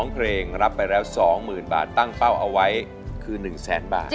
เพลงรับไปแล้ว๒๐๐๐บาทตั้งเป้าเอาไว้คือ๑แสนบาท